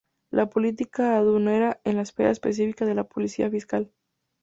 La política aduanera es la esfera específica de la política fiscal.